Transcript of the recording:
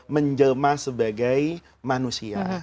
menjelma sebagai manusia